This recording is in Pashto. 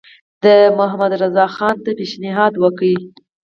ده محمدرضاخان ته پېشنهاد وکړ.